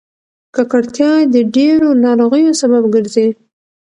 ککړتیا د ډېرو ناروغیو سبب ګرځي.